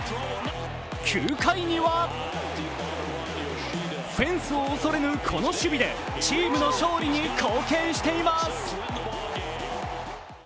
９回にはフェンスを恐れぬこの守備でチームの勝利に貢献しています。